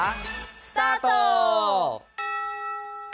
スタート！